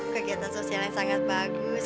kegiatan sosialnya sangat bagus